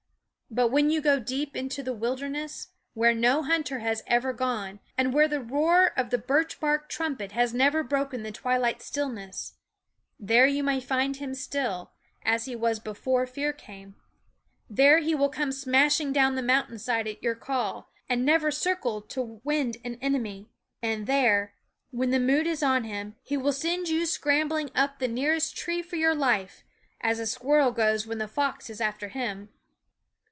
But when you go deep into the wilder ness, where no hunter has ever gone, and where the roar of a birch bark trumpet has 258 SCHOOL OF never broken the twilight stillness, there you may find him still, as he was before fear 'jghfy came; there he will come smashing down the mountain side at your call, and never circle to wind an enemy; and there, when the mood is on him, he will send you scram bling up the nearest tree for your life, as a squirrel goes when the fox is after him.